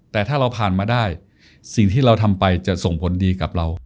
แต่ถ้าเราผ่านมาได้สิ่งที่เราทำไปจะส่งผลดีกับเรา